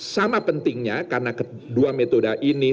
sama pentingnya karena kedua metode ini